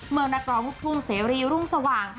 เมืองนักร้องลูกทุ่งแซวีรีย์รุ่งสว่าง